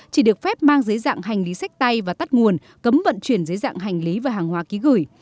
chỉ được phép mang dưới dạng hành lý sách tay và tắt nguồn cấm vận chuyển dưới dạng hành lý và hàng hóa ký gửi